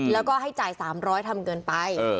แล้วก็ให้จ่าย๓๐๐ทำเกินไป